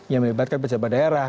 yang melibatkan pejabat daerah